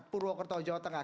purwokerto jawa tengah